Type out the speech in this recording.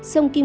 sông kim ngư